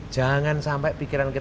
jangan sampai pikiran kita